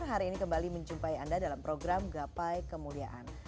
hari ini kembali menjumpai anda dalam program gapai kemuliaan